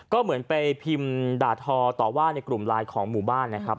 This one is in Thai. ก็เหมือนไปพิมพ์ด่าทอต่อว่าในกลุ่มไลน์ของหมู่บ้านนะครับ